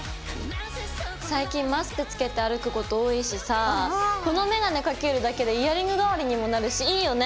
最近マスクつけて歩くこと多いしさこのメガネかけるだけでイヤリング代わりにもなるしいいよね。